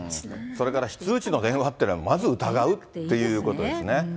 それから非通知の電話というのはまず疑うっていうことですね。